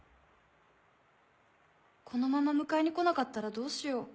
このまま迎えに来なかったらどうしよう。